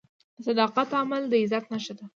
د صداقت عمل د عزت نښه ده.